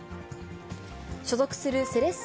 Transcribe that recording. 所属するセレッソ